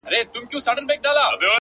• مګر ولي، پښتانه لوستونکي ,